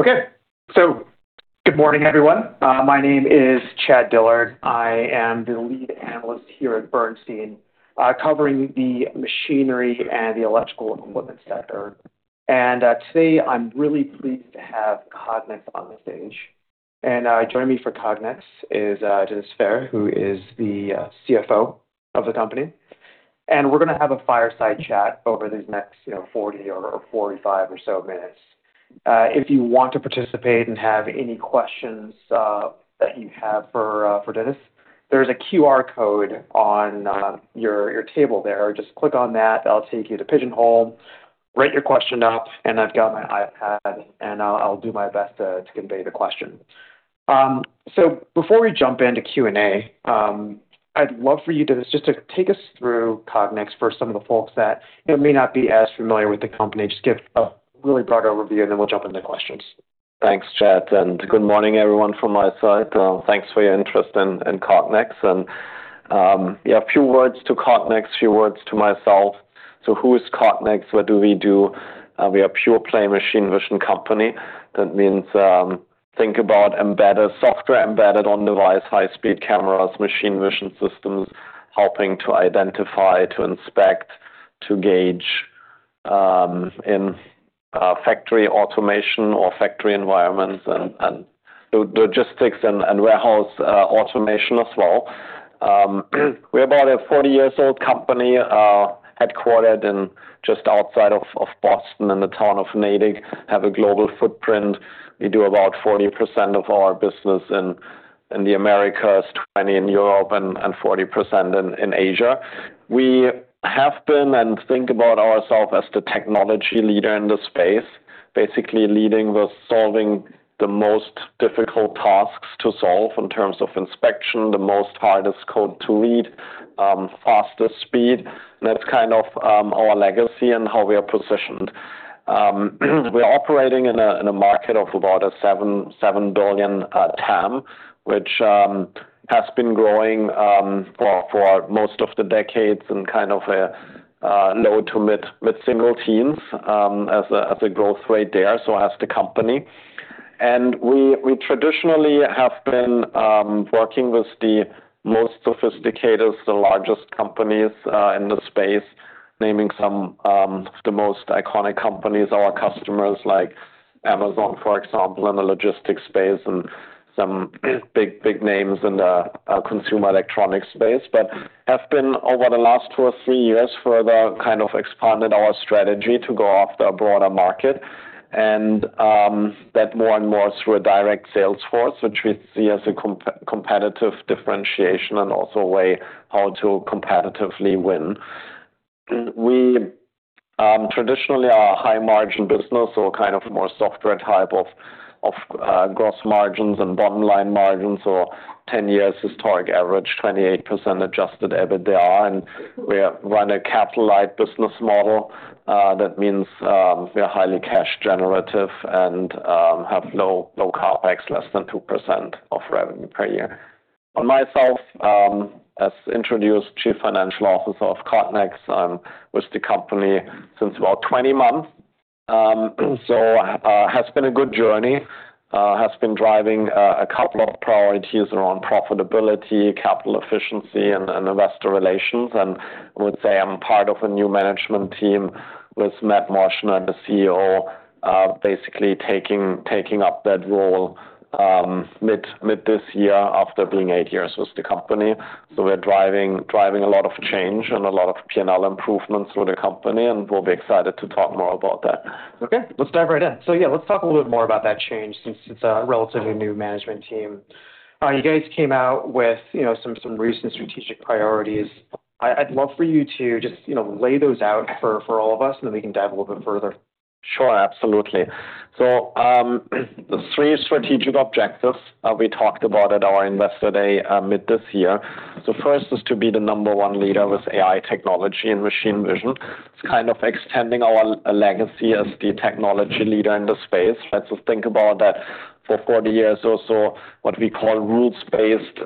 Okay. Good morning, everyone. My name is Chad Dillard. I am the Lead Analyst here at Bernstein, covering the machinery and the electrical equipment sector. And today, I'm really pleased to have Cognex on the stage. And joining me for Cognex is Dennis Fehr, who is the CFO of the company. We're going to have a fireside chat over these next 40 or 45 or so minutes. If you want to participate and have any questions that you have for Dennis, there's a QR code on your table there. Just click on that. That'll take you to Pigeonhole. Write your question up, and I've got my iPad, and I'll do my best to convey the question. Before we jump into Q&A, I'd love for you, Dennis, just to take us through Cognex for some of the folks that may not be as familiar with the company. Just give a really broad overview, and then we'll jump into questions. Thanks, Chad. Good morning, everyone, from my side. Thanks for your interest in Cognex. And yeah, a few words to Cognex, a few words to myself. So who is Cognex? What do we do? We are a pure-play machine vision company. That means think about software embedded on device, high-speed cameras, machine vision systems, helping to identify, to inspect, to gauge in factory automation or factory environments and logistics and warehouse automation as well. We're about a 40-year-old company, headquartered just outside of Boston in the town of Natick. We have a global footprint. We do about 40% of our business in the Americas, 20% in Europe, and 40% in Asia. We have been and think about ourselves as the technology leader in the space, basically leading the solving the most difficult tasks to solve in terms of inspection, the most hardest code to read, fastest speed. That's kind of our legacy and how we are positioned. We're operating in a market of about a $7 billion TAM, which has been growing for most of the decades and kind of a low- to mid-single teens as a growth rate there, so as the company. We traditionally have been working with the most sophisticated, the largest companies in the space, naming some of the most iconic companies, our customers like Amazon, for example, in the logistics space, and some big names in the consumer electronics space. Have been over the last two or three years further kind of expanded our strategy to go after a broader market. That more and more through a direct sales force, which we see as a competitive differentiation and also a way how to competitively win. We traditionally are a high-margin business, so kind of more software-type of gross margins and bottom-line margins, so 10 years historic average, 28% Adjusted EBITDA. And we run a capital-light business model. That means we are highly cash generative and have low CapEx, less than 2% of revenue per year. Myself, as introduced, Chief Financial Officer of Cognex. I'm with the company since about 20 months. So it has been a good journey. Has been driving a couple of priorities around profitability, capital efficiency, and investor relations. I would say I'm part of a new management team with Matt Moschner, the CEO, basically taking up that role mid this year after being eight years with the company. We're driving a lot of change and a lot of P&L improvements with the company, and we'll be excited to talk more about that. Okay. Let's dive right in. So yeah, let's talk a little bit more about that change since it's a relatively new management team. You guys came out with some recent strategic priorities. I'd love for you to just lay those out for all of us, and then we can dive a little bit further. Sure. Absolutely. The three strategic objectives we talked about at our Investor Day mid this year. So first is to be the number one leader with AI technology and machine vision. It's kind of extending our legacy as the technology leader in the space. Let's just think about that for 40 years or so. What we call rules-based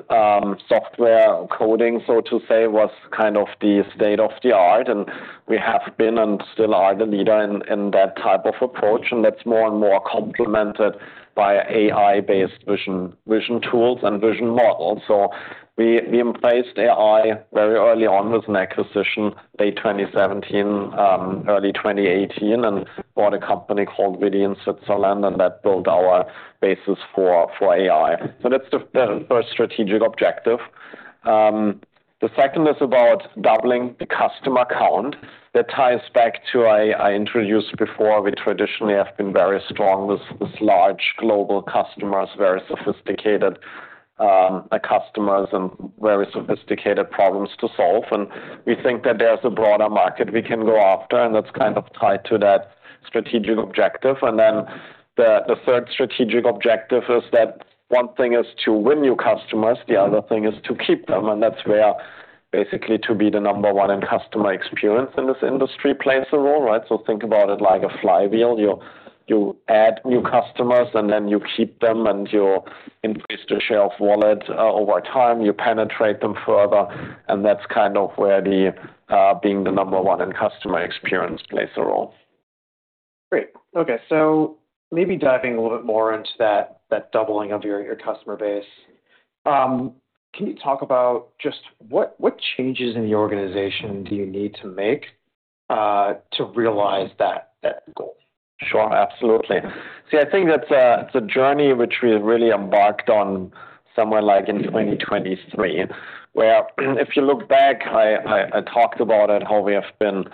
software coding, so to say, was kind of the state of the art. And we have been and still are the leader in that type of approach. And that's more and more complemented by AI-based vision tools and vision models. We embraced AI very early on with an acquisition late 2017, early 2018, and bought a company called ViDi in Switzerland, and that built our basis for AI. So that's the first strategic objective. The second is about doubling the customer count. That ties back to I introduced before. We traditionally have been very strong with large global customers, very sophisticated customers, and very sophisticated problems to solve. And we think that there's a broader market we can go after, and that's kind of tied to that strategic objective. And then the third strategic objective is that one thing is to win new customers. The other thing is to keep them. And that's where basically to be the number one in customer experience in this industry plays a role, right? So think about it like a flywheel. You add new customers, and then you keep them, and you increase the share of wallet over time. You penetrate them further. And that's kind of where being the number one in customer experience plays a role. Great. Okay. So maybe diving a little bit more into that doubling of your customer base. Can you talk about just what changes in the organization do you need to make to realize that goal? Sure. Absolutely. See, I think that's a journey which we have really embarked on somewhere like in 2023, where if you look back, I talked about it, how we have been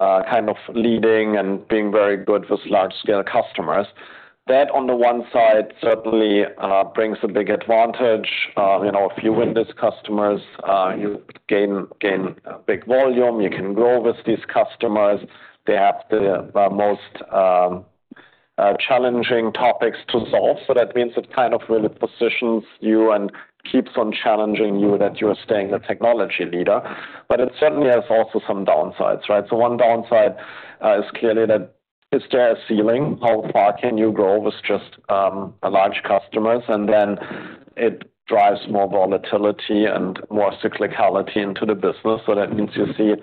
kind of leading and being very good with large-scale customers. That, on the one side, certainly brings a big advantage. If you win these customers, you gain big volume. You can grow with these customers. They have the most challenging topics to solve, so that means it kind of really positions you and keeps on challenging you that you are staying the technology leader, but it certainly has also some downsides, right, so one downside is clearly that, is there a ceiling? How far can you grow with just large customers, and then it drives more volatility and more cyclicality into the business. So that means you see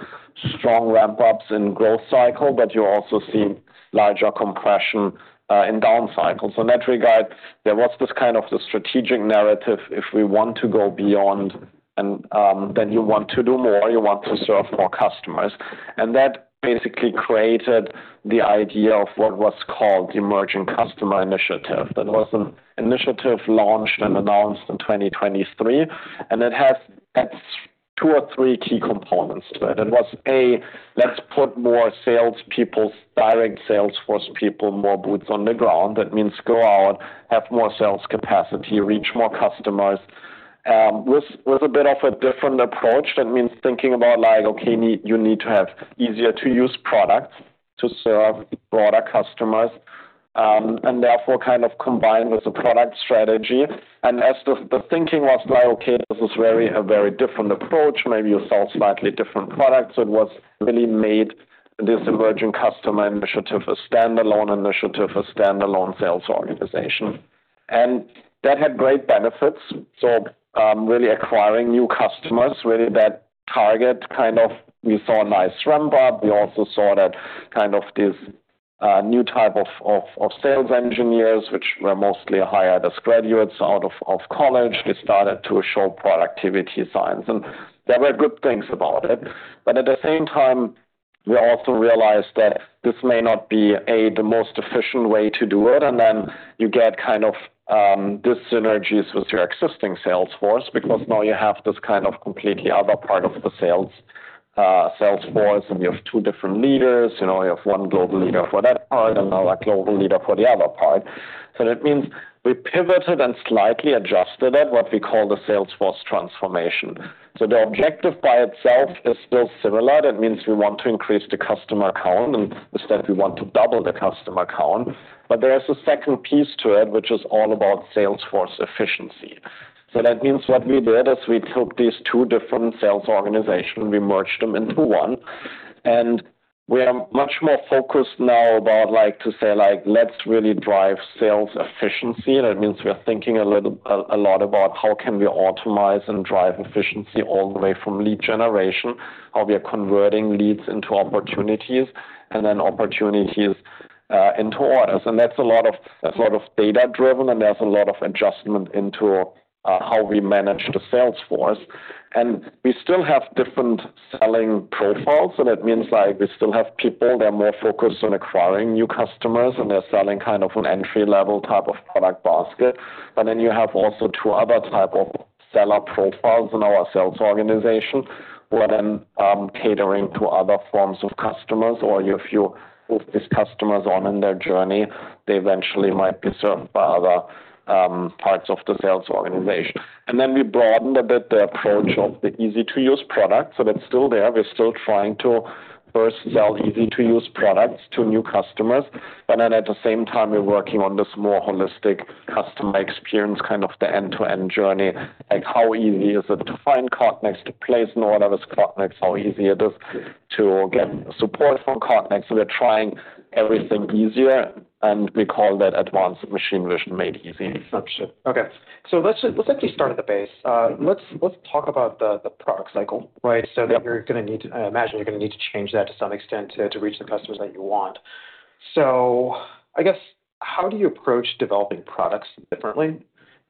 strong ramp-ups in growth cycle, but you also see larger compression in down cycles. In that regard, there was this kind of the strategic narrative. If we want to go beyond, then you want to do more. You want to serve more customers, and that basically created the idea of what was called the Emerging Customer Initiative. That was an initiative launched and announced in 2023, and it has two or three key components to it. It was A, let's put more salespeople, direct sales force people, more boots on the ground. That means go out, have more sales capacity, reach more customers with a bit of a different approach. That means thinking about like, okay, you need to have easier-to-use products to serve broader customers, and therefore kind of combined with a product strategy. And as the thinking was like, okay, this is a very different approach. Maybe you sell slightly different products. So it was really made this Emerging Customer Initiative a standalone initiative, a standalone sales organization. And that had great benefits. So really acquiring new customers, really that target kind of we saw a nice ramp-up. We also saw that kind of this new type of sales engineers, which were mostly higher ed graduates out of college, they started to show productivity signs. There were good things about it. But at the same time, we also realized that this may not be, A, the most efficient way to do it. And then you get kind of dyssynergies with your existing sales force because now you have this kind of completely other part of the sales force, and you have two different leaders. You have one global leader for that part and another global leader for the other part, so that means we pivoted and slightly adjusted at what we call the sales force transformation, so the objective by itself is still similar. That means we want to increase the customer count, and instead, we want to double the customer count, but there is a second piece to it, which is all about sales force efficiency, so that means what we did is we took these two different sales organizations, we merged them into one, and we are much more focused now about, like to say, let's really drive sales efficiency. That means we are thinking a lot about how can we optimize and drive efficiency all the way from lead generation, how we are converting leads into opportunities, and then opportunities into orders. And that's a lot of data-driven, and there's a lot of adjustment into how we manage the sales force. We still have different selling profiles, so that means we still have people that are more focused on acquiring new customers, and they're selling kind of an entry-level type of product basket, but then you have also two other types of seller profiles in our sales organization who are then catering to other forms of customers, or if you move these customers on in their journey, they eventually might be served by other parts of the sales organization, and then we broadened a bit the approach of the easy-to-use product, so that's still there. We're still trying to first sell easy-to-use products to new customers, and then at the same time, we're working on this more holistic customer experience, kind of the end-to-end journey. Like, how easy is it to find Cognex? It plays in order with Cognex, how easy it is to get support from Cognex. We're trying everything easier, and we call that advanced machine vision made easy. Got it. Okay. So let's actually start at the base. Let's talk about the product cycle, right? So that you're going to need to imagine you're going to need to change that to some extent to reach the customers that you want. I guess, how do you approach developing products differently?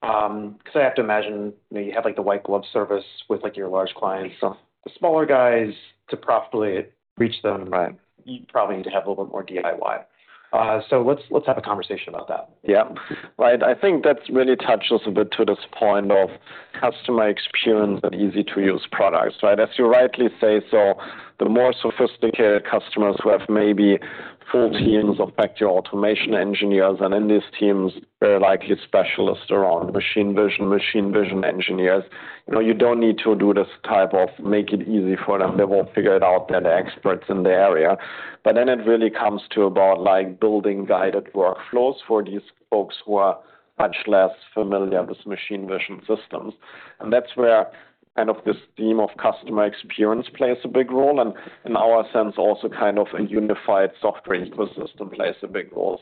Because I have to imagine you have the white glove service with your large clients. The smaller guys, to profitably reach them, you probably need to have a little bit more DIY. So let's have a conversation about that. Yeah. Right. I think that really touches a bit to this point of customer experience and easy-to-use products, right? As you rightly say, so the more sophisticated customers who have maybe full teams of factory automation engineers, and in these teams, they're likely specialists around machine vision, machine vision engineers. You don't need to do this type of make it easy for them. They will figure it out. They're the experts in the area. But then it really comes to about building guided workflows for these folks who are much less familiar with machine vision systems. And that's where kind of this theme of customer experience plays a big role. And in our sense, also kind of a unified software ecosystem plays a big role.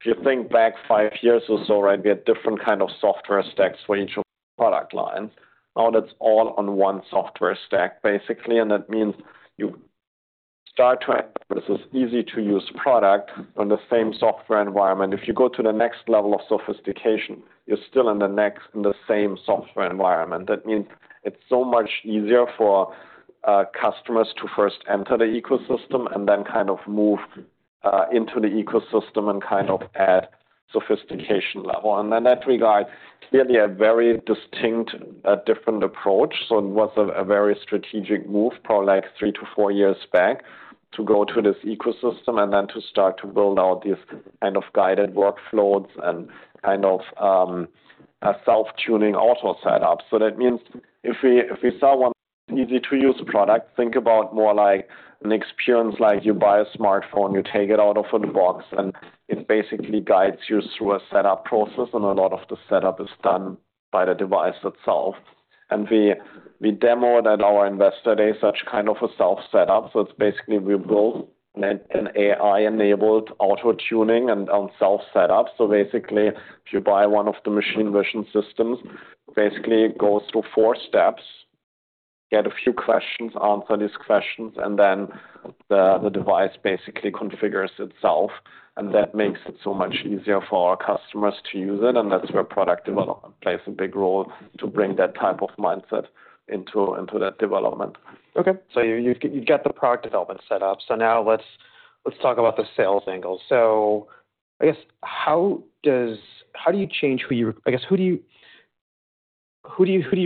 If you think back five years or so, right, we had different kind of software stacks for each of the product lines. Now that's all on one software stack, basically, and that means you start to access this easy-to-use product on the same software environment. If you go to the next level of sophistication, you're still in the same software environment. That means it's so much easier for customers to first enter the ecosystem and then kind of move into the ecosystem and kind of add sophistication level, and in that regard, clearly a very distinct, different approach, so it was a very strategic move probably like three to four years back to go to this ecosystem and then to start to build out these kind of guided workflows and kind of self-tuning auto setups, so that means if we sell one easy-to-use product, think about more like an experience like you buy a smartphone, you take it out of the box, and it basically guides you through a setup process. And a lot of the setup is done by the device itself. We demoed at our Investor Day such kind of a self-setup. So it's basically we built an AI-enabled auto-tuning and self-setup. So basically, if you buy one of the machine vision systems, basically it goes through four steps, get a few questions, answer these questions, and then the device basically configures itself. And that makes it so much easier for our customers to use it. And that's where product development plays a big role to bring that type of mindset into that development. Okay. So you get the product development setup. So now let's talk about the sales angle. I guess, how do you change who you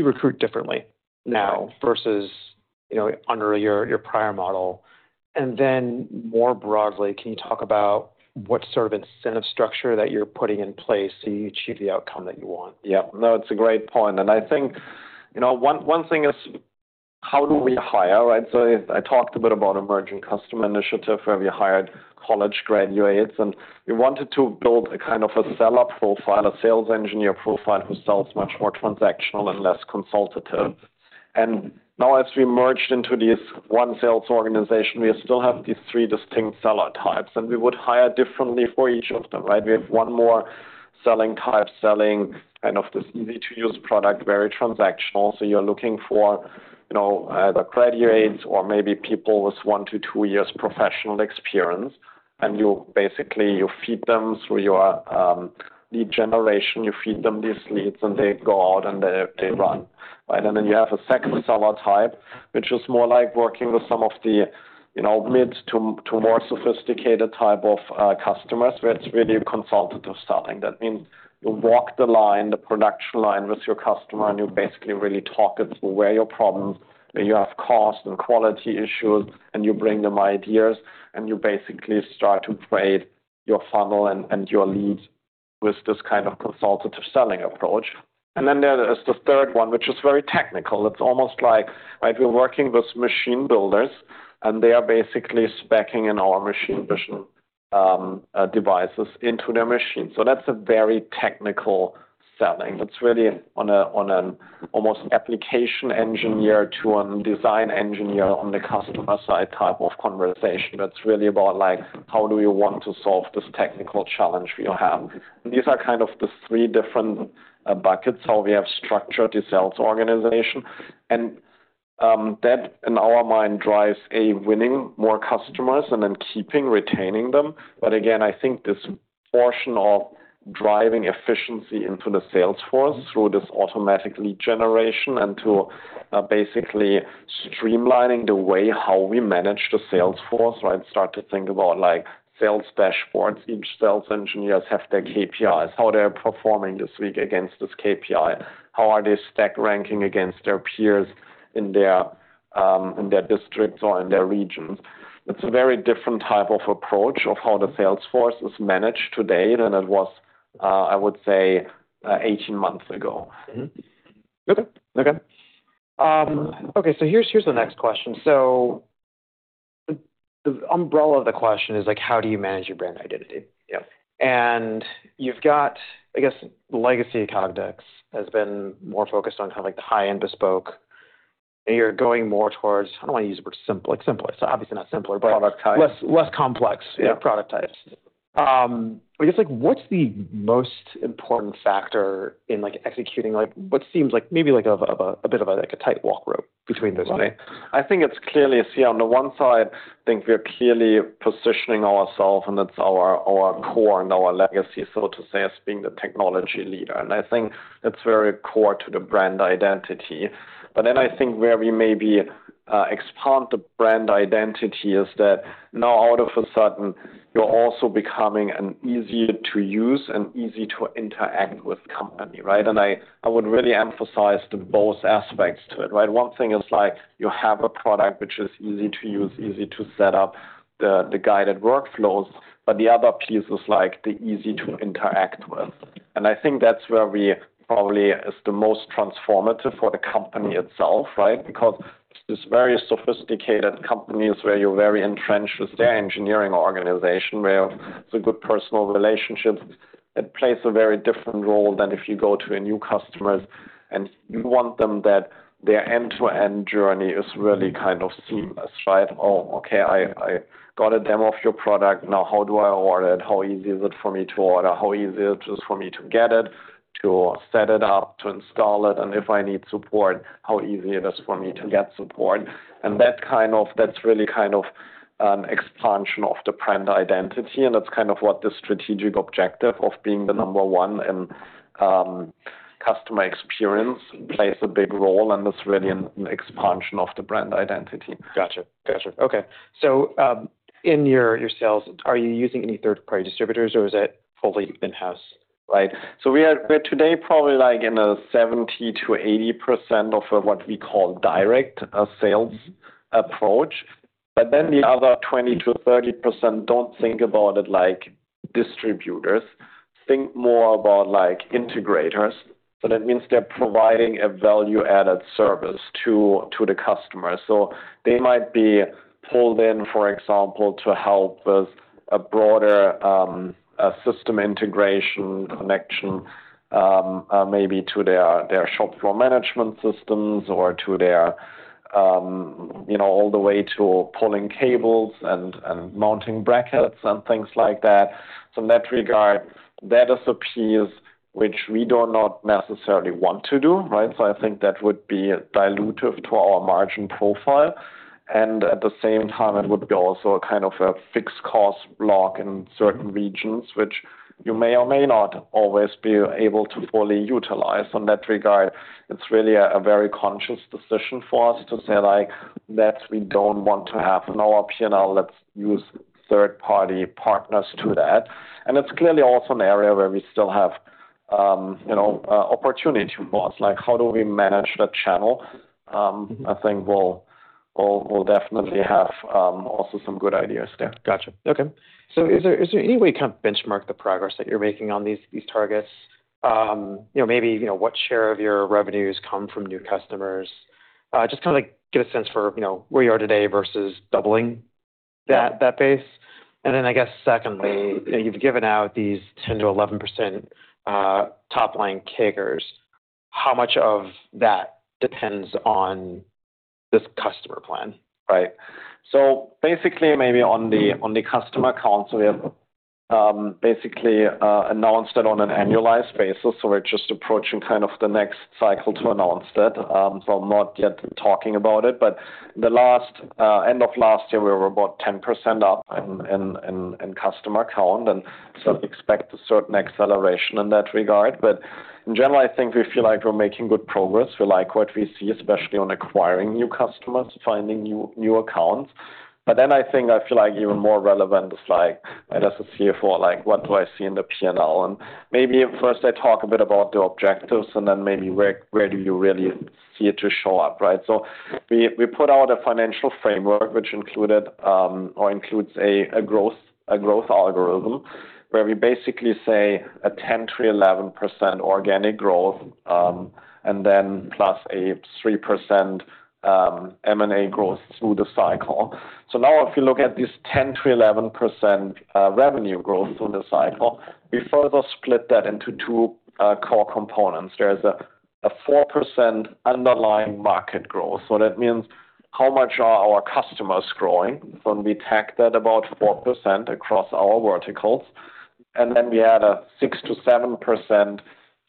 recruit differently now versus under your prior model? And then more broadly, can you talk about what sort of incentive structure that you're putting in place so you achieve the outcome that you want? Yeah. No, it's a great point. And I think one thing is how do we hire, right? I talked a bit about Emerging Customer Initiative where we hired college graduates, and we wanted to build a kind of a seller profile, a sales engineer profile who sells much more transactional and less consultative. And now as we merged into this one sales organization, we still have these three distinct seller types, and we would hire differently for each of them, right? We have one more selling type selling kind of this easy-to-use product, very transactional. So you're looking for either graduates or maybe people with one to two years' professional experience. And basically, you feed them through your lead generation, you feed them these leads, and they go out and they run. And then you have a second seller type, which is more like working with some of the mid to more sophisticated type of customers where it's really consultative selling. That means you walk the line, the production line with your customer, and you basically really talk it through where your problems, where you have cost and quality issues, and you bring them ideas, and you basically start to create your funnel and your leads with this kind of consultative selling approach. And then there is the third one, which is very technical. It's almost like, right, we're working with machine builders, and they are basically speccing in our machine vision devices into their machines. So that's a very technical selling. It's really on an almost application engineer to a design engineer on the customer side type of conversation. It's really about like, how do we want to solve this technical challenge we have, and these are kind of the three different buckets how we have structured the sales organization, and that in our mind drives a winning more customers and then keeping, retaining them, but again, I think this portion of driving efficiency into the sales force through this automatic lead generation and to basically streamlining the way how we manage the sales force, right? Start to think about sales dashboards. Each sales engineer has their KPIs. How they're performing this week against this KPI? How are they stack ranking against their peers in their districts or in their regions? It's a very different type of approach of how the salesforce is managed today than it was, I would say, 18 months ago. Okay. Here's the next question. So the umbrella of the question is like, how do you manage your brand identity? And you've got, I guess, the legacy of Cognex has been more focused on kind of like the high-end bespoke. And you're going more towards, I don't want to use the word simple, simpler. So obviously not simpler, but less complex product types. I guess, what's the most important factor in executing what seems like maybe a bit of a tightrope between those three? I think it's clearly, see, on the one side, I think we are clearly positioning ourselves, and it's our core and our legacy, so to say, as being the technology leader. I think it's very core to the brand identity. But then I think where we maybe expand the brand identity is that now, all of a sudden, you're also becoming an easier-to-use and easy-to-interact with company, right? I would really emphasize the both aspects to it, right? One thing is like you have a product which is easy to use, easy to set up the guided workflows, but the other piece is like the easy-to-interact with. And I think that's where we probably is the most transformative for the company itself, right? Because this very sophisticated company is where you're very entrenched with their engineering organization, where it's a good personal relationship that plays a very different role than if you go to a new customer and you want them that their end-to-end journey is really kind of seamless, right? Oh, okay, I got a demo of your product. Now, how do I order it? How easy is it for me to order? How easy is it for me to get it, to set it up, to install it? And if I need support, how easy it is for me to get support? And that's really kind of an expansion of the brand identity. And that's kind of what the strategic objective of being the number one in customer experience plays a big role. And it's really an expansion of the brand identity. Got it. Okay. So in your sales, are you using any third-party distributors, or is that fully in-house? Right. We are today probably like in a 70%-80% of what we call direct sales approach. But then the other 20%-30% don't think about it like distributors. Think more about integrators. So that means they're providing a value-added service to the customer. So they might be pulled in, for example, to help with a broader system integration connection, maybe to their shop floor management systems or to their all the way to pulling cables and mounting brackets and things like that. So in that regard, that is a piece which we do not necessarily want to do, right? I think that would be dilutive to our margin profile. And at the same time, it would be also a kind of a fixed cost block in certain regions, which you may or may not always be able to fully utilize. In that regard, it's really a very conscious decision for us to say like, "That's we don't want to have in our P&L. Let's use third-party partners to that." And it's clearly also an area where we still have opportunity for us. Like, how do we manage the channel? I think we'll definitely have also some good ideas there. Got it. Okay. So is there any way to kind of benchmark the progress that you're making on these targets? Maybe what share of your revenues come from new customers? Just kind of get a sense for where you are today versus doubling that base. And then I guess, secondly, you've given out these 10%-11% top-line kickers. How much of that depends on this customer plan? Right. Basically, maybe on the customer accounts, we have basically announced it on an annualized basis. We're just approaching kind of the next cycle to announce that. I'm not yet talking about it. But the end of last year, we were about 10% up in customer count, and so we expect a certain acceleration in that regard. But in general, I think we feel like we're making good progress. We like what we see, especially on acquiring new customers, finding new accounts. But then I think I feel like even more relevant is like, as a CFO, what do I see in the P&L? And maybe first I talk a bit about the objectives, and then maybe where do you really see it to show up, right? We put out a financial framework, which included or includes a growth algorithm where we basically say a 10%-11% organic growth and then +3% M&A growth through the cycle. So now if you look at this 10%-11% revenue growth through the cycle, we further split that into two core components. There is a 4% underlying market growth. So that means how much are our customers growing? So we track that about 4% across our verticals. And then we add a 6%-7%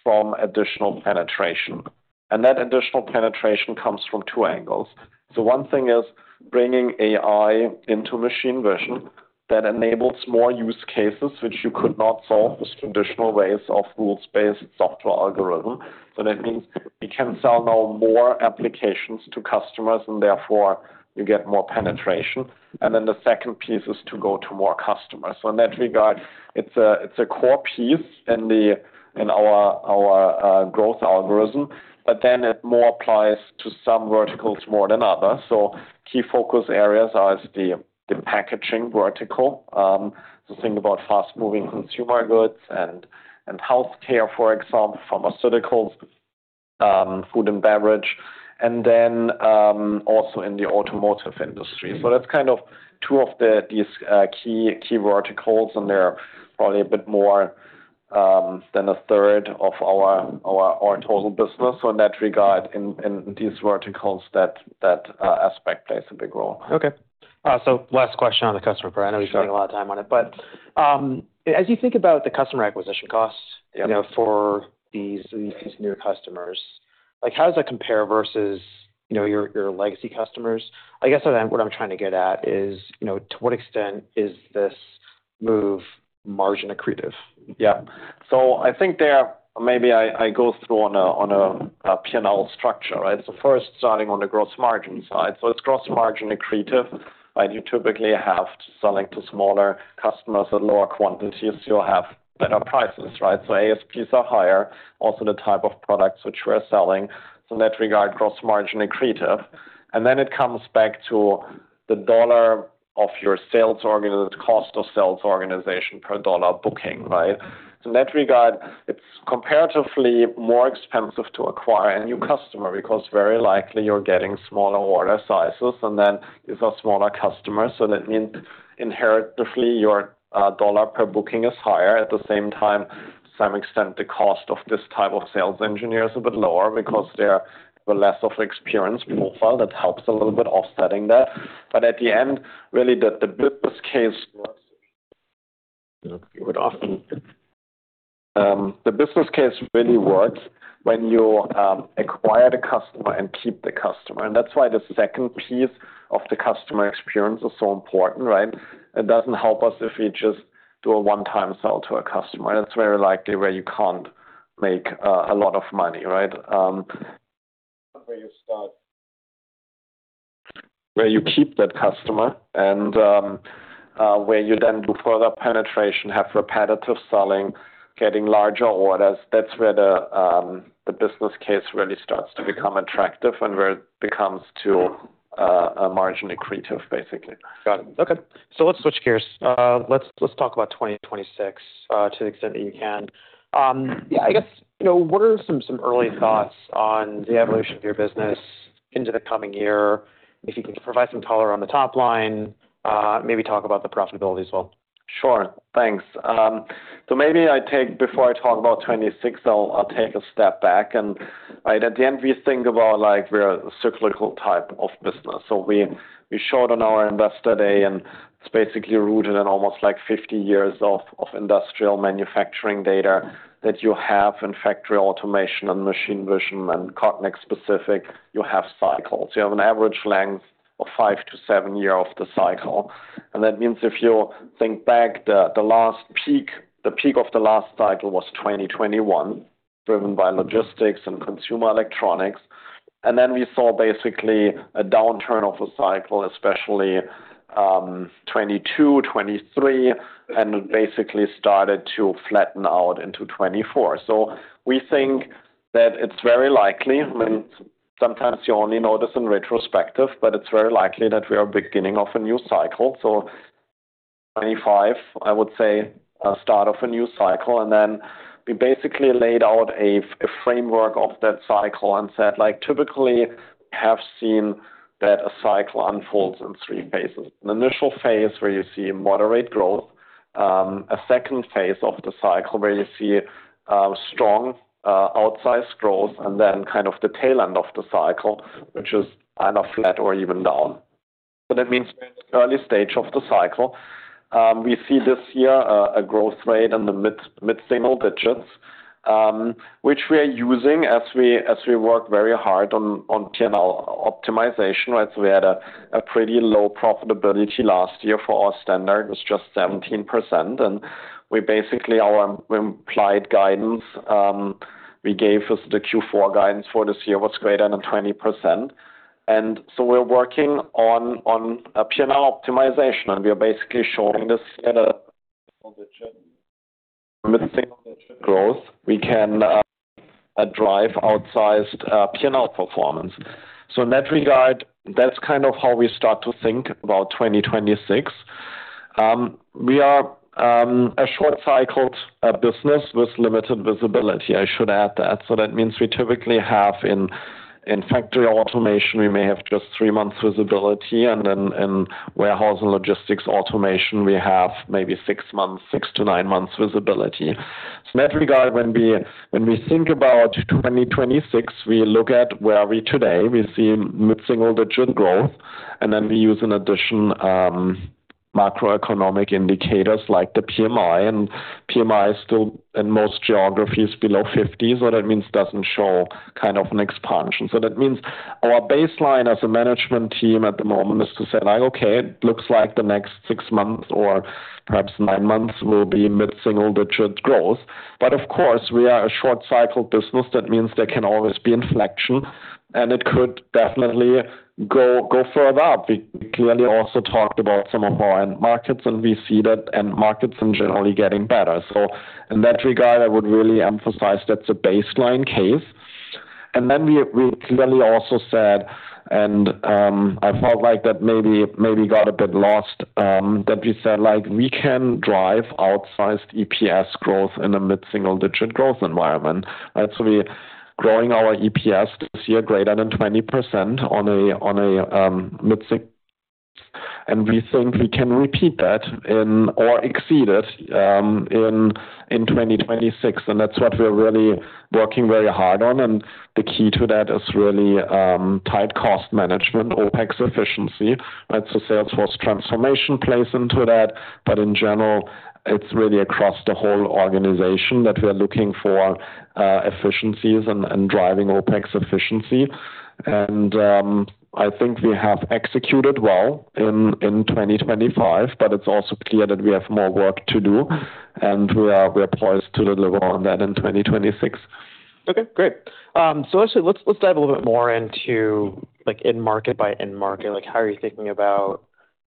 from additional penetration. And that additional penetration comes from two angles. So one thing is bringing AI into machine vision that enables more use cases, which you could not solve with traditional ways of rules-based software algorithm. So that means we can sell now more applications to customers, and therefore you get more penetration. And then the second piece is to go to more customers. So in that regard, it's a core piece in our growth algorithm, but then it more applies to some verticals more than others. So key focus areas are the packaging vertical. So think about fast-moving consumer goods and healthcare, for example, pharmaceuticals, food and beverage, and then also in the automotive industry. So that's kind of two of these key verticals, and they're probably a bit more than a third of our total business. So in that regard, in these verticals, that aspect plays a big role. Okay. Last question on the customer part. I know we've spent a lot of time on it, but as you think about the customer acquisition costs for these new customers, how does that compare versus your legacy customers? I guess what I'm trying to get at is to what extent is this move margin accretive? Yeah. I think there maybe I go through on a P&L structure, right? So first, starting on the gross margin side. So it's gross margin accretive, right? You typically have selling to smaller customers at lower quantities, you'll have better prices, right? So ASPs are higher, also the type of products which we're selling. So in that regard, gross margin accretive. And then it comes back to the dollar of your sales organization, the cost of sales organization per dollar booking, right? So in that regard, it's comparatively more expensive to acquire a new customer because very likely you're getting smaller order sizes, and then these are smaller customers. So that means inherently, your dollar per booking is higher. At the same time, to some extent, the cost of this type of sales engineer is a bit lower because they have a less of an experience profile that helps a little bit offsetting that. But at the end, really, the business case works. Okay. The business case really works when you acquire the customer and keep the customer, and that's why the second piece of the customer experience is so important, right? It doesn't help us if we just do a one-time sell to a customer. It's very likely where you can't make a lot of money, right? Where you start. Where you keep that customer and where you then do further penetration, have repetitive selling, getting larger orders. That's where the business case really starts to become attractive and where it becomes to a margin accretive, basically. Got it. Okay. So let's switch gears. Let's talk about 2026 to the extent that you can. Yeah, I guess, what are some early thoughts on the evolution of your business into the coming year? If you can provide some color on the top line, maybe talk about the profitability as well. Sure. Thanks, so maybe before I talk about 2026, I'll take a step back, and at the end, we think about we're a cyclical type of business. We showed on our Investor Day, and it's basically rooted in almost like 50 years of industrial manufacturing data that you have in factory automation and machine vision and Cognex-specific. You have cycles. You have an average length of five to seven years of the cycle, and that means if you think back, the last peak, the peak of the last cycle was 2021, driven by logistics and consumer electronics, and then we saw basically a downturn of a cycle, especially 2022, 2023, and it basically started to flatten out into 2024. We think that it's very likely. I mean, sometimes you only notice in retrospect, but it's very likely that we are beginning of a new cycle. 2025, I would say, start of a new cycle. And then we basically laid out a framework of that cycle and said, "Typically, we have seen that a cycle unfolds in three phases. An initial phase where you see moderate growth, a second phase of the cycle where you see strong outsized growth, and then kind of the tail end of the cycle, which is either flat or even down." So that means early stage of the cycle. We see this year, a growth rate in the mid-single digits, which we are using as we work very hard on P&L optimization, right? So we had a pretty low profitability last year for our standard. It was just 17%. And we basically, our implied guidance we gave is the Q4 guidance for this year was greater than 20%. We're working on P&L optimization, and we are basically showing this at a mid-single-digit growth. We can drive outsized P&L performance. So in that regard, that's kind of how we start to think about 2026. We are a short-cycled business with limited visibility, I should add that. So that means we typically have in factory automation, we may have just three months visibility. And then in warehouse and logistics automation, we have maybe six months, six to nine months visibility. So in that regard, when we think about 2026, we look at where we today, we see mid-single-digit growth, and then we use an additional macroeconomic indicators like the PMI. And PMI is still in most geographies below 50. So that means it doesn't show kind of an expansion. That means our baseline as a management team at the moment is to say like, "Okay, it looks like the next six months or perhaps nine months will be mid-single digit growth." But of course, we are a short-cycled business. That means there can always be inflection, and it could definitely go further up. We clearly also talked about some of our end markets, and we see that end markets are generally getting better. So in that regard, I would really emphasize that's a baseline case. We clearly also said, and I felt like that maybe got a bit lost, that we said like, "We can drive outsized EPS growth in a mid-single digit growth environment." Right? We're growing our EPS this year greater than 20% on a mid-single digit growth. And we think we can repeat that or exceed it in 2026. And that's what we're really working very hard on. And the key to that is really tight cost management, OpEx efficiency. Right? Sales force transformation plays into that. But in general, it's really across the whole organization that we are looking for efficiencies and driving OpEx efficiency. I think we have executed well in 2025, but it's also clear that we have more work to do, and we are poised to deliver on that in 2026. Okay. Great. So actually, let's dive a little bit more into end-market by end-market. How are you thinking about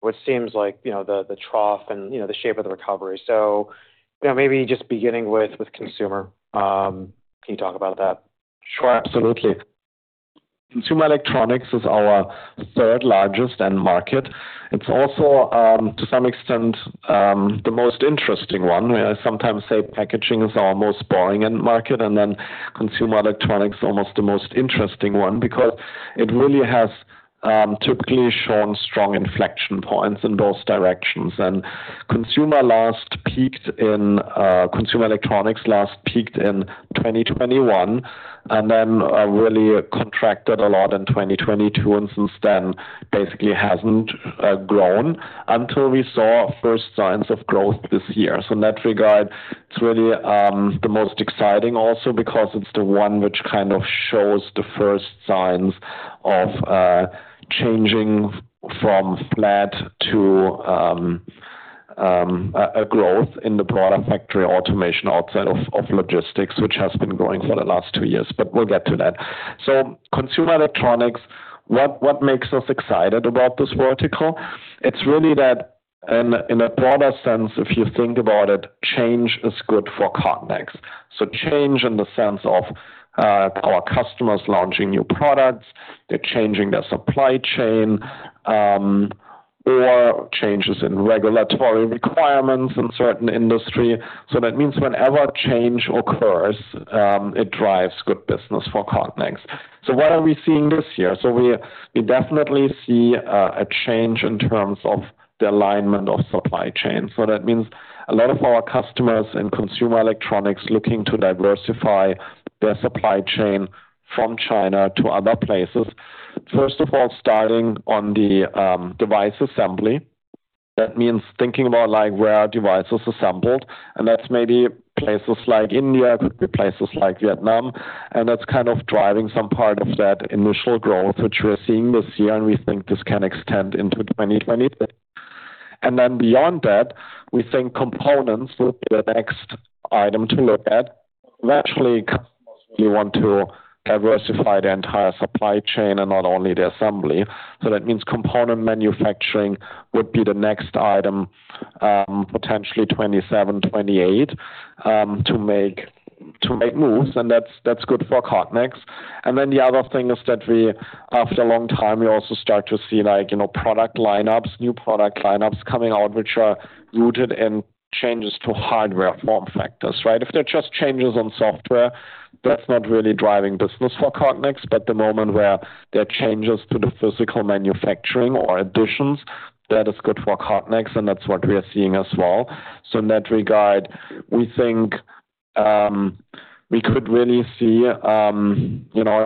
what seems like the trough and the shape of the recovery? So maybe just beginning with consumer. Can you talk about that? Sure. Absolutely. Consumer electronics is our third largest end market. It's also, to some extent, the most interesting one. We sometimes say packaging is our most boring end market, and then consumer electronics is almost the most interesting one because it really has typically shown strong inflection points in both directions. And consumer electronics last peaked in 2021 and then really contracted a lot in 2022, and since then basically hasn't grown until we saw first signs of growth this year. So in that regard, it's really the most exciting also because it's the one which kind of shows the first signs of changing from flat to a growth in the broader factory automation outside of logistics, which has been growing for the last two years. But we'll get to that. Consumer electronics, what makes us excited about this vertical? It's really that in a broader sense, if you think about it, change is good for Cognex. So change in the sense of our customers launching new products, they're changing their supply chain, or changes in regulatory requirements in certain industry. So that means whenever change occurs, it drives good business for Cognex. What are we seeing this year? We definitely see a change in terms of the alignment of supply chain. So that means a lot of our customers in consumer electronics looking to diversify their supply chain from China to other places. First of all, starting on the device assembly. That means thinking about where our device is assembled. And that's maybe places like India, could be places like Vietnam. And that's kind of driving some part of that initial growth, which we're seeing this year, and we think this can extend into 2023. Beyond that, we think components will be the next item to look at. Eventually, customers really want to diversify the entire supply chain and not only the assembly. So that means component manufacturing would be the next item, potentially 2027, 2028, to make moves. And that's good for Cognex. And then the other thing is that after a long time, we also start to see product lineups, new product lineups coming out, which are rooted in changes to hardware form factors, right? If they're just changes on software, that's not really driving business for Cognex. But the moment where there are changes to the physical manufacturing or additions, that is good for Cognex, and that's what we are seeing as well. In that regard, we think we could really see a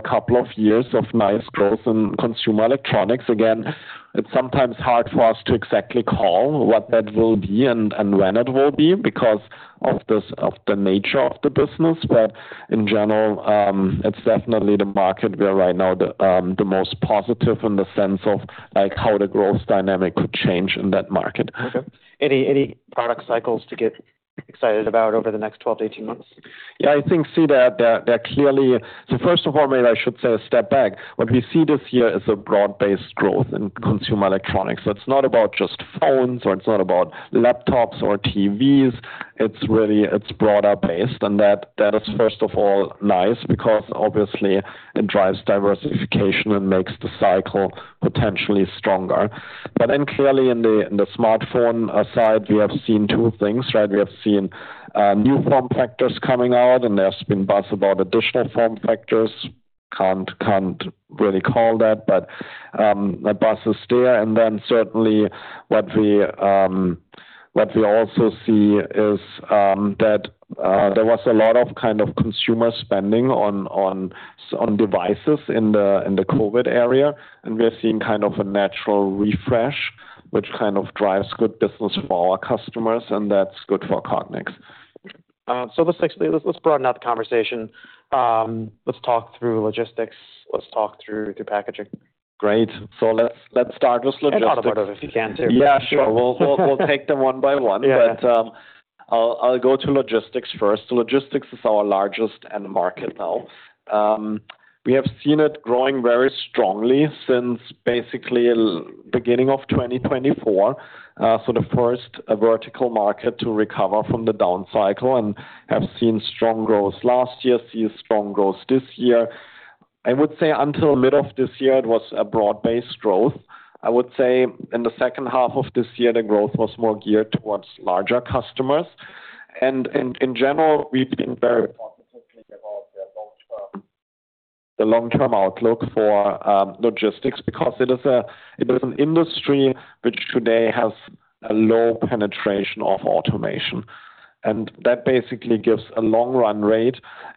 couple of years of nice growth in consumer electronics. Again, it's sometimes hard for us to exactly call what that will be and when it will be because of the nature of the business, but in general, it's definitely the market we are right now the most positive in the sense of how the growth dynamic could change in that market. Okay. Any product cycles to get excited about over the next 12-18 months? Yeah. I think, see, they're clearly so first of all, maybe I should say a step back. What we see this year is a broad-based growth in consumer electronics. So it's not about just phones or it's not about laptops or TVs. It's broader-based. And that is, first of all, nice because obviously, it drives diversification and makes the cycle potentially stronger. But then clearly, in the smartphone side, we have seen two things, right? We have seen new form factors coming out, and there's been buzz about additional form factors. Can't really call that, but the buzz is there. And then certainly, what we also see is that there was a lot of kind of consumer spending on devices in the COVID era. We're seeing kind of a natural refresh, which kind of drives good business for our customers, and that's good for Cognex. Let's broaden that conversation. Let's talk through logistics. Let's talk through packaging. Great. So let's start with logistics. I'll talk about it if you can too. Yeah, sure. We'll take them one by one, but I'll go to logistics first. Logistics is our largest end market now. We have seen it growing very strongly since basically the beginning of 2024. So the first vertical market to recover from the down cycle and have seen strong growth last year, see strong growth this year. I would say until mid of this year, it was a broad-based growth. I would say in the second half of this year, the growth was more geared towards larger customers. And in general, we've been very positively about the long-term outlook for logistics because it is an industry which today has a low penetration of automation. And that basically gives a long run rate.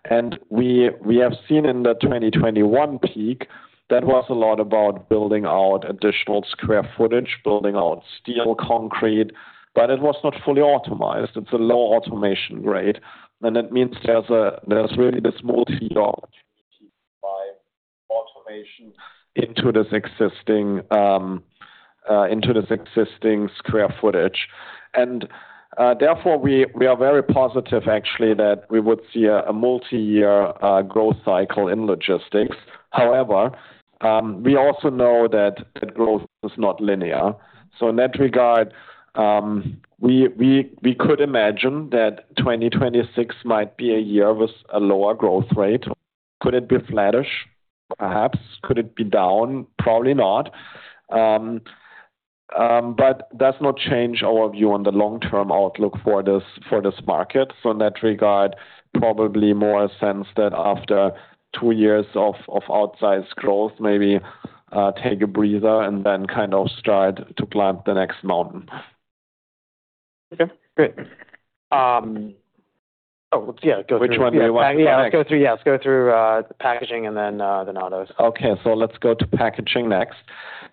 And we have seen in the 2021 peak that was a lot about building out additional square footage, building out steel, concrete, but it was not fully optimized. It's a low automation rate. And that means there's really this multi-year opportunity by automation into this existing square footage. And therefore, we are very positive, actually, that we would see a multi-year growth cycle in logistics. However, we also know that growth is not linear. So in that regard, we could imagine that 2026 might be a year with a lower growth rate. Could it be flattish? Perhaps. Could it be down? Probably not. But that's not changed our view on the long-term outlook for this market. So in that regard, probably more a sense that after two years of outsized growth, maybe take a breather and then kind of start to climb the next mountain. Okay. Great. Oh, yeah. Go through. Which one do you want? Yeah. Let's go through packaging and then then autos. Okay. Let's go to packaging next.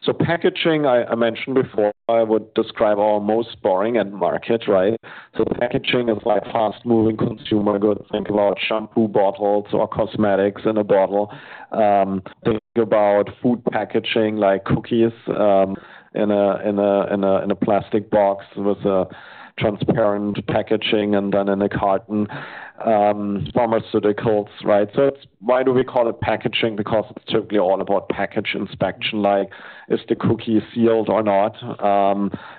So packaging, I mentioned before, I would describe our most boring end market, right? Packaging is like fast-moving consumer. Go think about shampoo bottles or cosmetics in a bottle. Think about food packaging, like cookies in a plastic box with a transparent packaging and then in a carton. Pharmaceuticals, right? So why do we call it packaging? Because it's typically all about package inspection, like is the cookie sealed or not?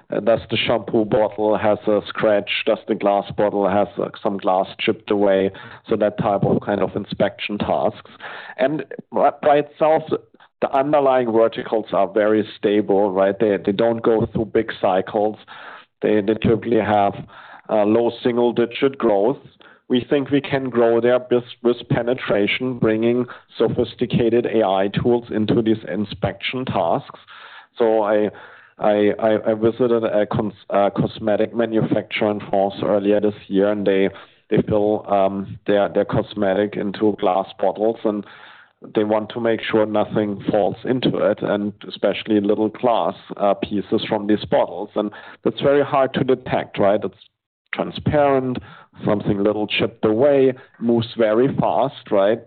Does the shampoo bottle have a scratch? Does the glass bottle have some glass chipped away? So that type of kind of inspection tasks. And by itself, the underlying verticals are very stable, right? They don't go through big cycles. They typically have low single-digit growth. We think we can grow there with penetration, bringing sophisticated AI tools into these inspection tasks. I visited a cosmetic manufacturer in France earlier this year, and they fill their cosmetic into glass bottles, and they want to make sure nothing falls into it, and especially little glass pieces from these bottles. And that's very hard to detect, right? It's transparent, something little chipped away, moves very fast, right?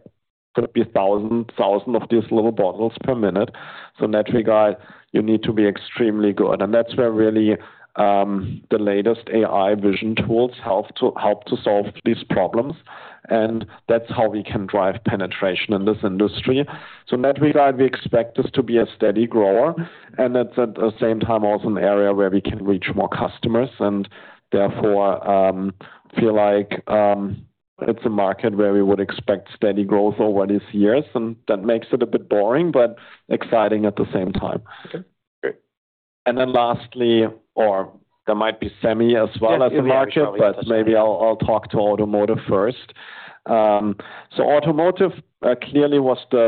Could be thousands of these little bottles per minute. So in that regard, you need to be extremely good. And that's where really the latest AI vision tools help to solve these problems. And that's how we can drive penetration in this industry. So in that regard, we expect this to be a steady grower. And at the same time, also an area where we can reach more customers and therefore feel like it's a market where we would expect steady growth over these years. That makes it a bit boring, but exciting at the same time. Okay. Great. And then lastly, or there might be semi as well as a market, but maybe I'll talk to automotive first. So automotive clearly was the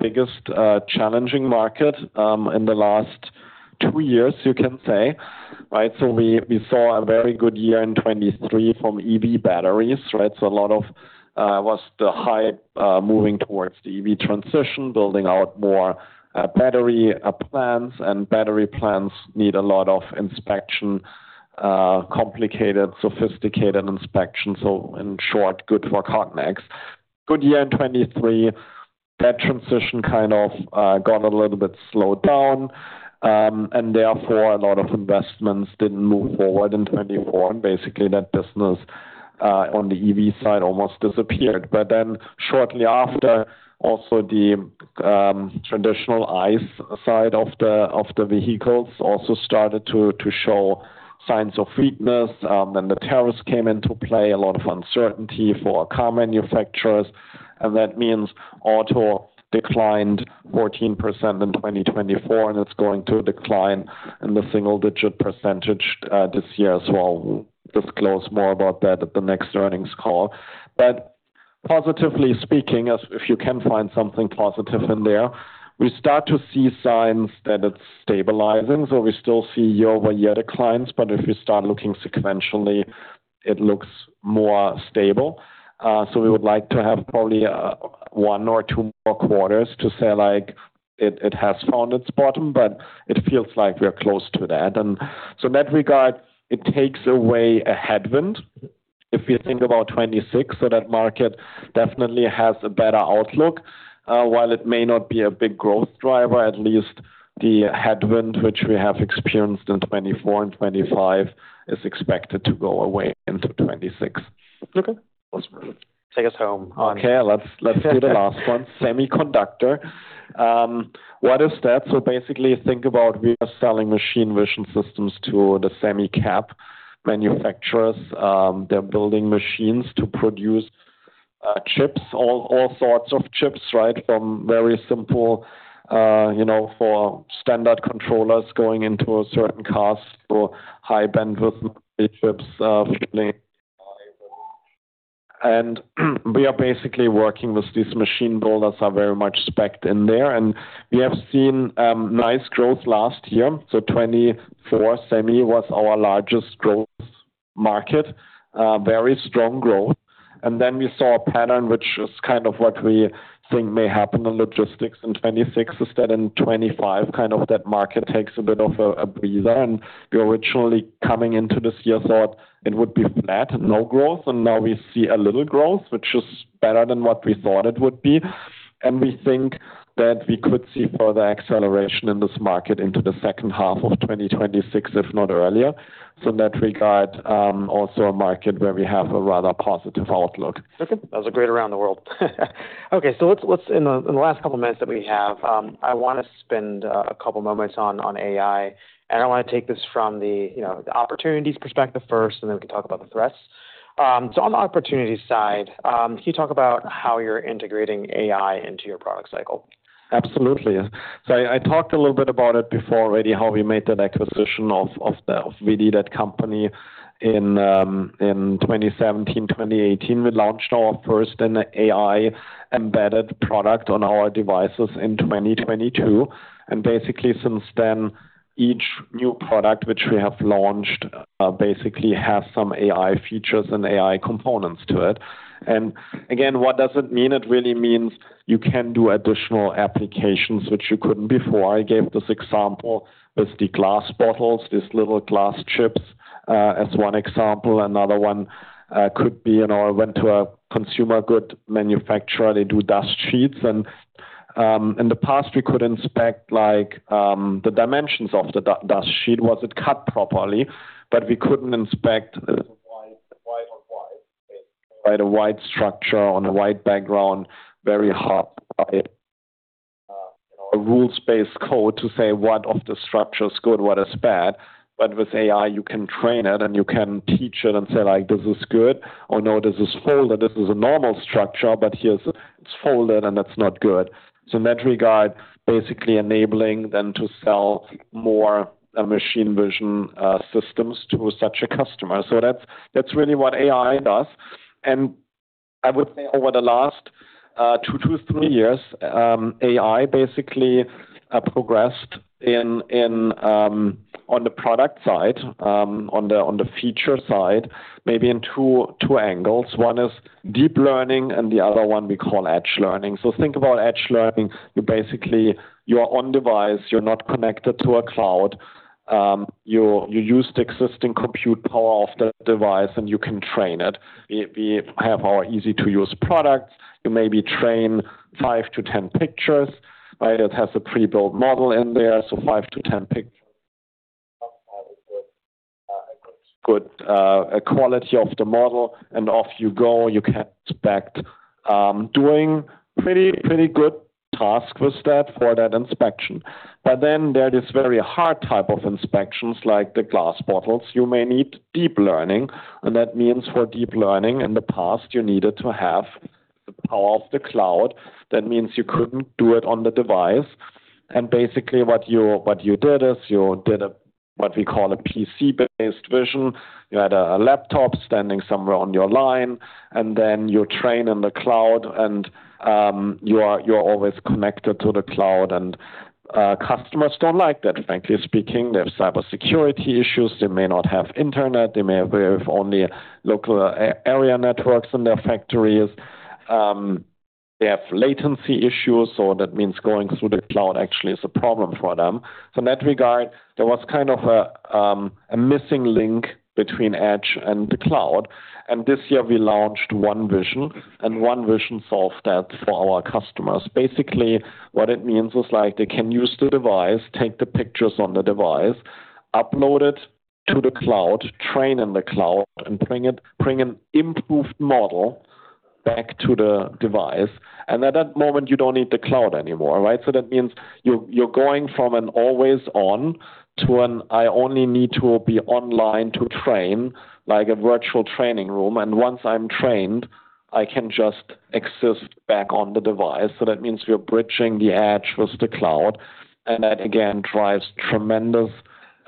biggest challenging market in the last two years, you can say, right? So we saw a very good year in 2023 from EV batteries, right? So a lot of was the hype moving towards the EV transition, building out more battery plants, and battery plants need a lot of inspection, complicated, sophisticated inspection. So in short, good for Cognex. Good year in 2023. That transition kind of got a little bit slowed down, and therefore a lot of investments didn't move forward in 2024. And basically, that business on the EV side almost disappeared. But then shortly after, also the traditional ICE side of the vehicles also started to show signs of weakness. Then the tariffs came into play. A lot of uncertainty for car manufacturers. And that means auto declined 14% in 2024, and it's going to decline in the single-digit percentage this year as well. We'll disclose more about that at the next earnings call. But positively speaking, if you can find something positive in there, we start to see signs that it's stabilizing. We still see year-over-year declines, but if you start looking sequentially, it looks more stable. We would like to have probably one or two more quarters to say it has found its bottom, but it feels like we are close to that. And so in that regard, it takes away a headwind if we think about 2026. So that market definitely has a better outlook. While it may not be a big growth driver, at least the headwind which we have experienced in 2024 and 2025 is expected to go away into 2026. Okay. Take us home. Okay. Let's do the last one. Semiconductor. What is that? So basically, think about we are selling machine vision systems to the semi-cap manufacturers. They're building machines to produce chips, all sorts of chips, right? From very simple for standard controllers going into a certain cost for high-bandwidth chips. And we are basically working with these machine builders that are very much specced in there. And we have seen nice growth last year. 2024 semi was our largest growth market, very strong growth. And then we saw a pattern which is kind of what we think may happen in logistics in 2026, is that in 2025, kind of that market takes a bit of a breather. And we originally coming into this year thought it would be flat, no growth. Now we see a little growth, which is better than what we thought it would be. We think that we could see further acceleration in this market into the second half of 2026, if not earlier. So in that regard, also a market where we have a rather positive outlook. Okay. That was a great around the world. Okay, so in the last couple of minutes that we have, I want to spend a couple of moments on AI, and I want to take this from the opportunities perspective first, and then we can talk about the threats, so on the opportunity side, can you talk about how you're integrating AI into your product cycle? Absolutely. I talked a little bit about it before already, how we made that acquisition of ViDi, that company in 2017, 2018. We launched our first AI-embedded product on our devices in 2022. And basically, since then, each new product which we have launched basically has some AI features and AI components to it. And again, what does it mean? It really means you can do additional applications which you couldn't before. I gave this example with the glass bottles, these little glass chips as one example. Another one could be and I went to a consumer goods manufacturer. They do dust sheets. And in the past, we could inspect the dimensions of the dust sheet. Was it cut properly? But we couldn't inspect white on white, a white structure on a white background, very hard, a rules-based code to say what of the structure is good, what is bad. But with AI, you can train it, and you can teach it and say, "This is good." Or, "No, this is folded. This is a normal structure, but here it's folded, and that's not good." So in that regard, basically enabling them to sell more machine vision systems to such a customer. So that's really what AI does, and I would say over the last two to three years, AI basically progressed on the product side, on the feature side, maybe in two angles. One is deep learning, and the other one we call edge learning, so think about edge learning. You basically, you're on device. You're not connected to a cloud. You used existing compute power of the device, and you can train it. We have our easy-to-use products. You maybe train 5 to 10 pictures, right? It has a pre-built model in there, so 5 to 10 pictures and good quality of the model, and off you go. You can inspect doing pretty good tasks with that for that inspection, but then there are these very hard type of inspections like the glass bottles. You may need deep learning, and that means for deep learning in the past, you needed to have the power of the cloud. That means you couldn't do it on the device, and basically, what you did is you did what we call a PC-based vision. You had a laptop standing somewhere on your line, and then you train in the cloud, and you're always connected to the cloud, and customers don't like that, frankly speaking. They have cybersecurity issues. They may not have internet. They may have only local area networks in their factories. They have latency issues. So that means going through the cloud actually is a problem for them. So in that regard, there was kind of a missing link between edge and the cloud. And this year, we launched OneVision, and OneVision solved that for our customers. Basically, what it means is they can use the device, take the pictures on the device, upload it to the cloud, train in the cloud, and bring an improved model back to the device. And at that moment, you don't need the cloud anymore, right? So that means you're going from an always-on to an I only need to be online to train, like a virtual training room. And once I'm trained, I can just exist back on the device. That means you're bridging the edge with the cloud. And that, again, drives tremendous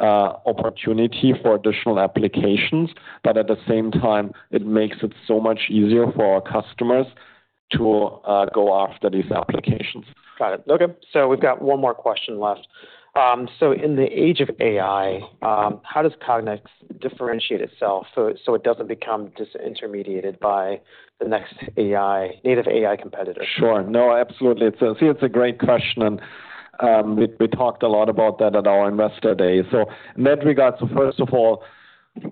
opportunity for additional applications. But at the same time, it makes it so much easier for our customers to go after these applications. Got it. Okay. So we've got one more question left. So in the age of AI, how does Cognex differentiate itself so it doesn't become disintermediated by the next native AI competitor? Sure. No, absolutely. It's a great question. And we talked a lot about that at our Investor Day. So in that regard, so first of all,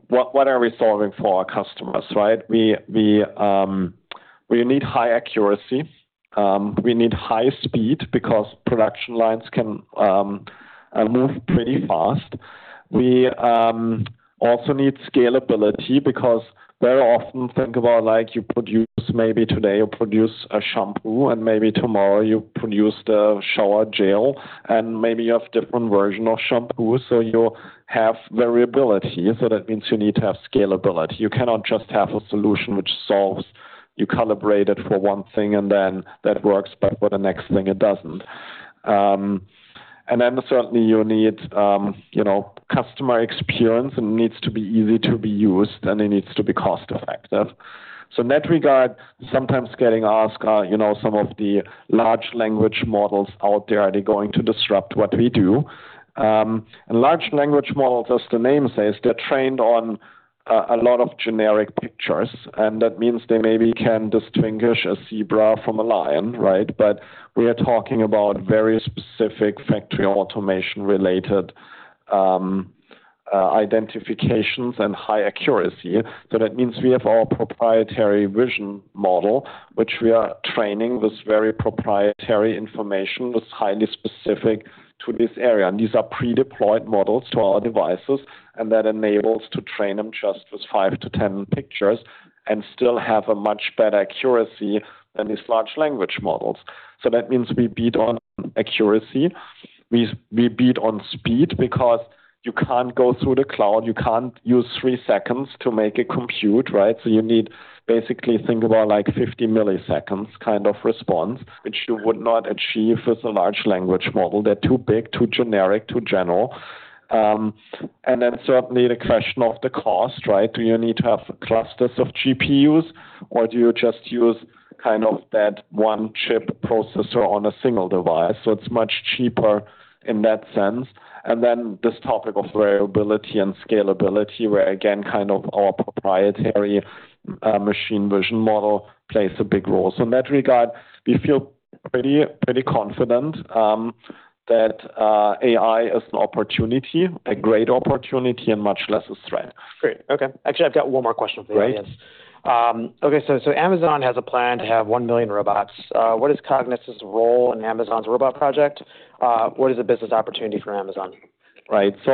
what are we solving for our customers, right? We need high accuracy. We need high speed because production lines can move pretty fast. We also need scalability because very often, think about you produce maybe today you produce a shampoo, and maybe tomorrow you produce the shower gel, and maybe you have a different version of shampoo. So you have variability. So that means you need to have scalability. You cannot just have a solution which solves. You calibrate it for one thing, and then that works, but for the next thing, it doesn't. And then certainly, you need customer experience, and it needs to be easy to be used, and it needs to be cost-effective. In that regard, sometimes getting asked, some of the large language models out there, are they going to disrupt what we do? And large language models, as the name says, they're trained on a lot of generic pictures. And that means they maybe can distinguish a zebra from a lion, right? But we are talking about very specific factory automation-related identifications and high accuracy. So that means we have our proprietary vision model, which we are training with very proprietary information that's highly specific to this area. And these are pre-deployed models to our devices, and that enables us to train them just with 5 to 10 pictures and still have a much better accuracy than these large language models. So that means we beat on accuracy. We beat on speed because you can't go through the cloud. You can't use three seconds to make a compute, right? You need basically think about 50 milliseconds kind of response, which you would not achieve with a large language model. They're too big, too generic, too general. And then certainly, the question of the cost, right? Do you need to have clusters of GPUs, or do you just use kind of that one chip processor on a single device? So it's much cheaper in that sense. And then this topic of variability and scalability, where again, kind of our proprietary machine vision model plays a big role. So in that regard, we feel pretty confident that AI is an opportunity, a great opportunity, and much less a threat. Great. Okay. Actually, I've got one more question for you. Right. Okay. So Amazon has a plan to have 1 million robots. What is Cognex's role in Amazon's robot project? What is a business opportunity for Amazon? Right. So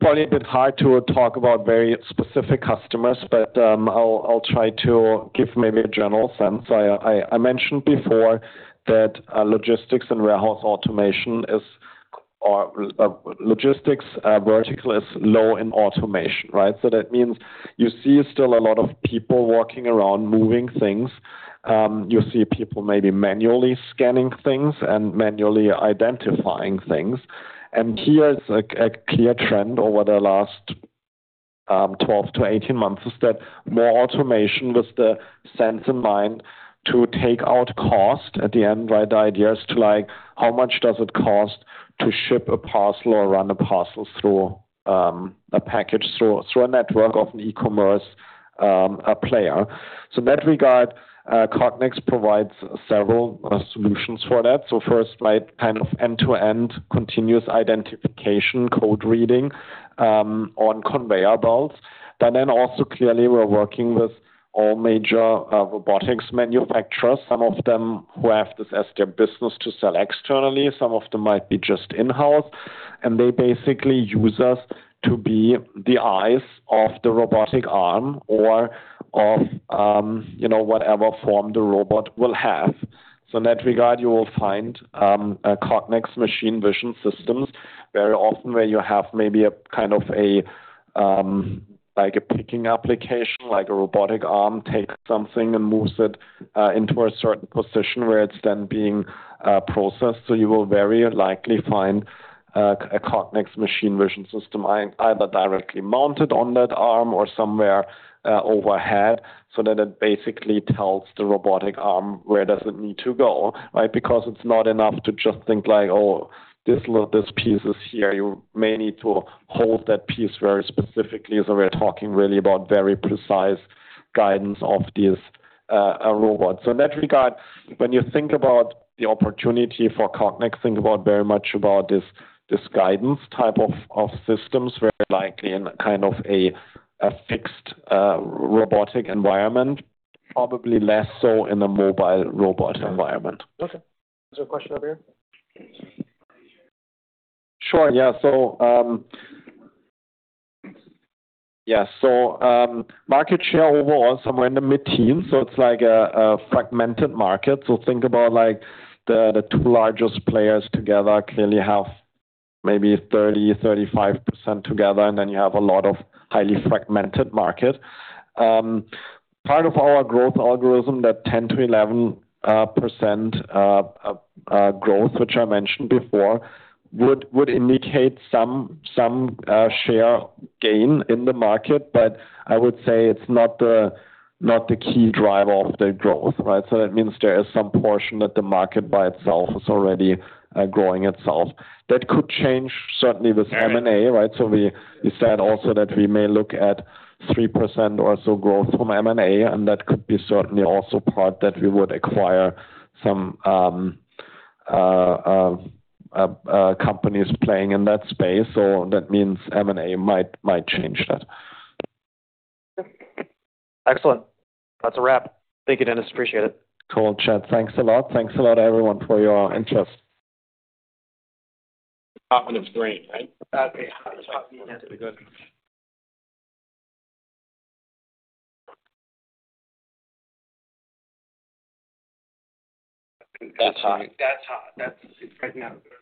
probably a bit hard to talk about very specific customers, but I'll try to give maybe a general sense. I mentioned before that logistics and warehouse automation is logistics vertical is low in automation, right? So that means you see still a lot of people working around moving things. You see people maybe manually scanning thing and manually identifying things over the last 12-18 months, more automation to take out cost. How much does it cost? Then also clearly, we're working with all major robotics manufacturers, some of them who have this as their business to sell externally. Some of them might be just in-house. And they basically use us to be the eyes of the robotic arm or of whatever form the robot will have. So in that regard, you will find Cognex machine vision systems very often where you have maybe a kind of a picking application, like a robotic arm takes something and moves it into a certain position where it's then being processed. So you will very likely find a Cognex machine vision system either directly mounted on that arm or somewhere overhead so that it basically tells the robotic arm where does it need to go, right? Because it's not enough to just think like, "Oh, this piece is here." You may need to hold that piece very specifically. We're talking really about very precise guidance of these robots. So in that regard, when you think about the opportunity for Cognex, think about very much about this guidance type of systems very likely in kind of a fixed robotic environment, probably less so in a mobile robot environment. Okay. Is there a question over here? Sure. Yeah. Market share overall, somewhere in the mid-teens. So, it's like a fragmented market. So, think about the two largest players together clearly have maybe 30%-35% together, and then you have a lot of highly fragmented market. Part of our growth algorithm, that 10%-11% growth, which I mentioned before, would indicate some share gain in the market, but I would say it's not the key driver of the growth, right? So, that means there is some portion that the market by itself is already growing itself. That could change certainly with M&A, right? We said also that we may look at 3% or so growth from M&A, and that could be certainly also part that we would acquire some companies playing in that space. So, that means M&A might change that. Excellent. That's a wrap. Thank you, Dennis. Appreciate it. Cool, Chad. Thanks a lot. Thanks a lot, everyone, for your interest. That one is great, right? That's good.